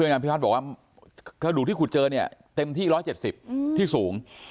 นายพิพัฒน์บอกว่ากระดูกที่ขุดเจอเนี่ยเต็มที่๑๗๐ที่สูง